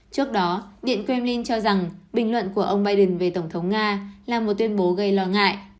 trước đó điện kremlin cho rằng bình luận của ông biden về tổng thống nga là một tuyên bố gây lo ngại